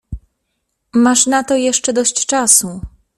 Masz na to jeszcze dość czasu.